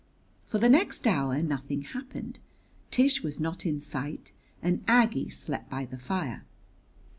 For the next hour nothing happened. Tish was not in sight and Aggie slept by the fire.